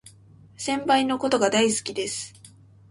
先輩のことが大好きです